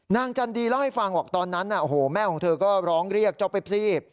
จันดีเล่าให้ฟังบอกตอนนั้นแม่ของเธอก็ร้องเรียกเจ้าเปปซี่